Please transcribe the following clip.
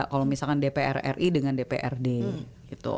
kalau misalkan dpr ri dengan dprd gitu